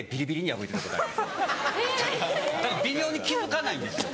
だから微妙に気付かないんですよ。